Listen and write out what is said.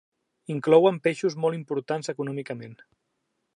Inclouen peixos molt importants econòmicament.